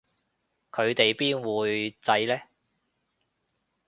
佢哋邊會䎺呢